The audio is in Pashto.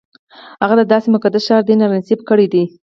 هغه د داسې مقدس ښار دیدن را نصیب کړی دی.